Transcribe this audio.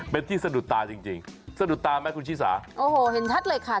เป็นที่สะดุดตาจริงจริงสะดุดตาไหมคุณชิสาโอ้โหเห็นชัดเลยค่ะ